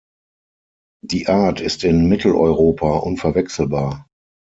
Die Art ist in Mitteleuropa unverwechselbar.